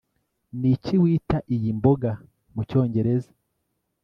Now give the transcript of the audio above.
niki wita iyi mboga mucyongereza